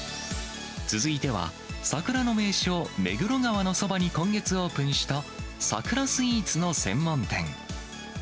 続いては、桜の名所、目黒川のそばに今月オープンした桜スイーツの専門店。